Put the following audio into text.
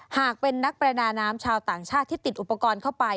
หากเป็นนักประดาน้ำชาวต่างชาติที่ติดอุปกรณ์เข้าไป